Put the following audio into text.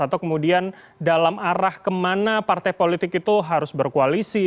atau kemudian dalam arah kemana partai politik itu harus berkoalisi